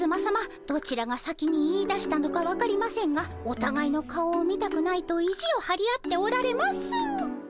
どちらが先に言いだしたのか分かりませんがおたがいの顔を見たくないと意地をはり合っておられます。